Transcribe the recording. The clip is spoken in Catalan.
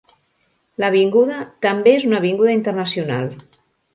L'avinguda també és una avinguda internacional.